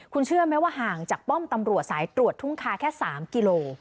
คุณเชื่อไหมว่าห่างจากป้อมตำรวจสายตรวจทุ่งคาแค่๓กิโล